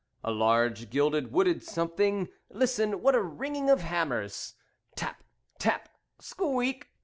A large gilded wooden something. Listen! What a ringing of hammers! Tap! Tap! Squeak!